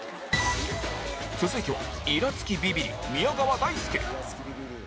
続いてはイラつきビビリ宮川大輔